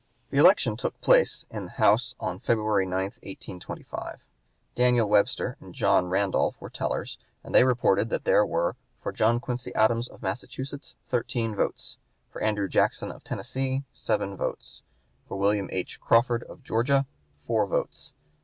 The election took place in the House on February 9, 1825. Daniel Webster and John Randolph were tellers, and they reported that there were "for John Quincy Adams, of Massachusetts, thirteen votes; for Andrew Jackson, of Tennessee, seven votes; for William H. Crawford, of Georgia, four votes."